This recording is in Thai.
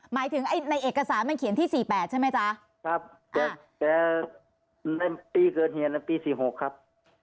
หมายถึงไอ้ในเอกสารมันเขียนที่สี่แปดใช่ไหมจ๊ะครับแต่ในปีเกิดเหตุในปีสี่หกครับ